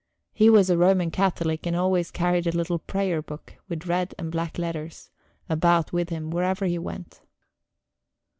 He was a Roman Catholic, and always carried a little prayer book, with red and black letters, about with him wherever he went.